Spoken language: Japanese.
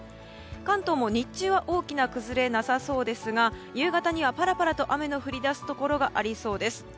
関東も日中は大きな崩れはなさそうですが夕方にはパラパラと雨の降り出すところがありそうです。